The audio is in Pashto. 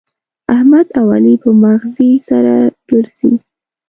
احمد او علي په مغزي سره ګرزي.